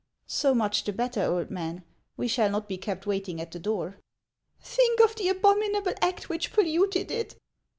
" So much the better, old man ! We shall not be kept waiting at the door." " Think of the abominable act which polluted it